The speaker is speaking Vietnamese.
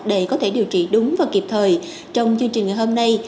để có thể điều trị đúng và kịp thời trong chương trình ngày hôm nay